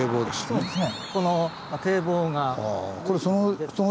そうですね。